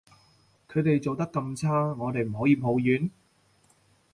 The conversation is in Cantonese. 佢哋做得咁差，我哋唔可以抱怨？